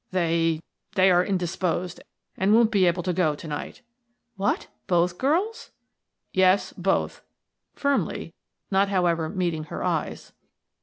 "They they are indisposed, and won't be able to go to night." "What! Both girls?" "Yes, both" firmly, not, however, meeting her eyes.